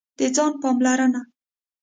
د ځان پاملرنه: